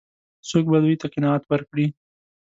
څوک به دوی ته قناعت ورکړي؟